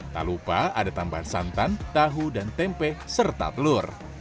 tak lupa ada tambahan santan tahu dan tempe serta telur